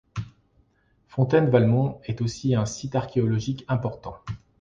Fontaine-Valmont est aussi un site archéologique important.